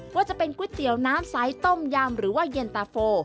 ว่าจะเป็นก๋วยเตี๋ยวน้ำใสต้มยำหรือว่าเย็นตาโฟ